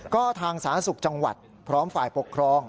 ก็ทางสาธารณสุขจังหวัดพร้อมฝ่ายปกครอง